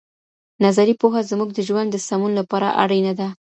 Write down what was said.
نظري پوهه زموږ د ژوند د سمون لپاره اړینه ده.